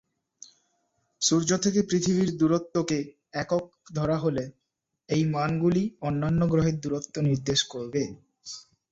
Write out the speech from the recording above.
সূর্য থেকে পৃথিবীর দূরত্বকে একক ধরা হলে এই মানগুলি অন্যান্য গ্রহের দূরত্ব নির্দেশ করবে।